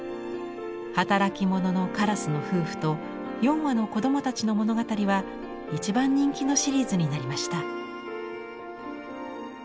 働き者のからすの夫婦と４羽の子どもたちの物語は一番人気のシリーズになりました。